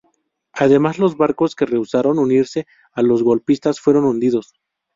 Además, los barcos que rehusaron unirse a los golpistas fueron hundidos.